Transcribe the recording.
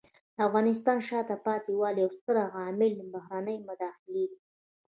د افغانستان د شاته پاتې والي یو ستر عامل بهرنۍ مداخلې دي.